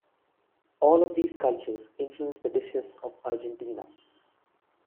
All of these cultures influenced the dishes of Argentina.